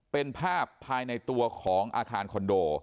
เป็นภาพภายในตัวของอาคารคอนโด